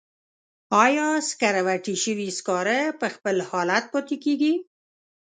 آیا سکروټې شوي سکاره په خپل حالت پاتې کیږي؟